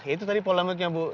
itu tadi polemiknya bu